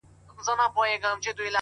هره ورځ د اصلاح نوې دروازه ده؛